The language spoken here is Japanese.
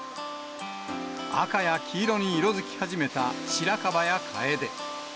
赤や黄色に色づき始めたシラカバやカエデ。